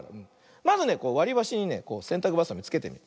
まずねわりばしにねせんたくばさみつけてみる。